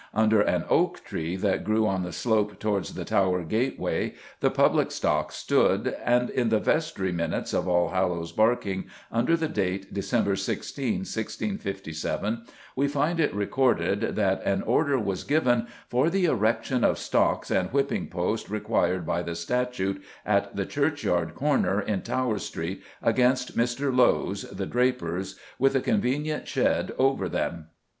Under an oak tree that grew on the slope towards the Tower gateway, the public stocks stood, and in the vestry minutes of Allhallows Barking, under the date December 16, 1657, we find it recorded that an order was given "for the erection of stocks and whipping post required by the statute at the churchyard corner in Tower Street against Mr. Lowe's, the draper's, with a convenient shed over them."